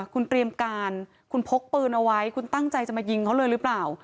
คุณเตรียมการคุณพกปืนเอาไว้คุณตั้งใจจะมายิงเขาเลยหรือเปล่า